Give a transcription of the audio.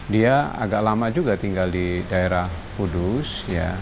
dia agak lama juga tinggal di daerah kudus